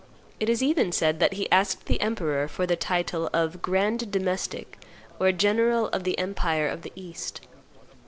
It is even said that he asked the emperor for the title of Grand Domestic or of General of the Empire of the East.